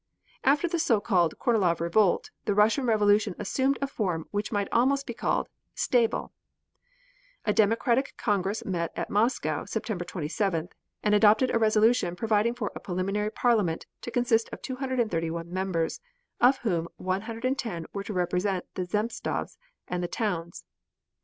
After the so called Kornilov revolt, the Russian Revolution assumed a form which might almost be called stable. A democratic congress met at Moscow, September 27th, and adopted a resolution providing for a preliminary parliament to consist of 231 members, of whom 110 were to represent the Zemstvos and the towns.